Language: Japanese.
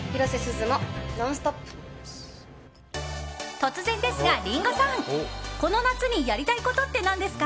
突然ですが、リンゴさんこの夏にやりたいことって何ですか？